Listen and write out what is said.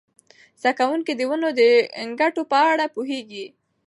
زده کوونکي د ونو د ګټو په اړه پوهیږي.